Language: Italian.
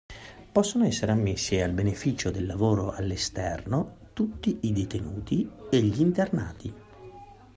Possono essere ammessi al beneficio del lavoro all'esterno tutti i detenuti e gli internati.